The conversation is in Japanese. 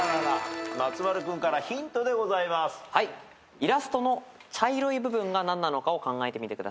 イラストの茶色い部分が何なのかを考えてみてください。